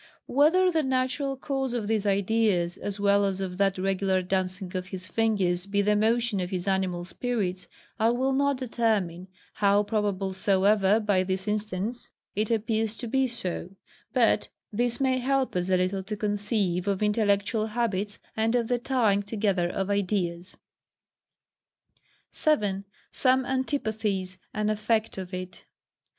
Whether the natural cause of these ideas, as well as of that regular dancing of his fingers be the motion of his animal spirits, I will not determine, how probable soever, by this instance, it appears to be so: but this may help us a little to conceive of intellectual habits, and of the tying together of ideas. 7. Some Antipathies an Effect of it.